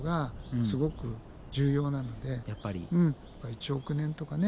１億年とかね